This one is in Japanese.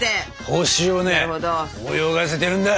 ホシをね泳がせてるんだ！